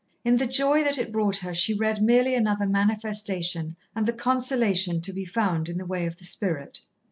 In the joy that it brought her she read merely another manifestation and the consolation to be found in the way of the Spirit.